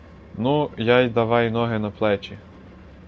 Ну, я й давай ноги на плечі!